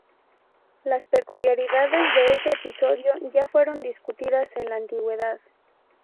Las peculiaridades de este episodio ya fueron discutidas en la Antigüedad.